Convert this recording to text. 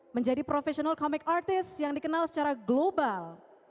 menjadi profesional komik artis yang dikenal secara global